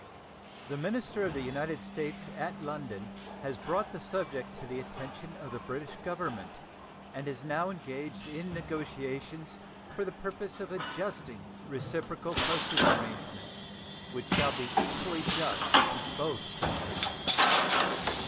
The minister of the United States at London has brought the subject to the attention of the British Government, and is now engaged in negotiations for the purpose of adjusting reciprocal postal arrangements which shall be equally just to both countries.